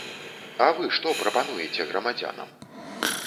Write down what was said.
А вы што прапануеце грамадзянам?